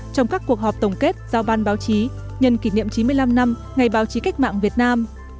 trong các cuộc họp tổng kết giao ban báo chí nhân kỷ niệm chín mươi năm năm ngày báo chí cách mạng việt nam